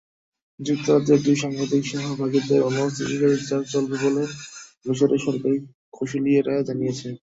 যুক্তরাজ্যের দুই সাংবাদিকসহ বাকিদের অনুপস্থিতিতে বিচার চলবে বলে মিসরের সরকারি কৌঁসুলিরা জানিয়েছেন।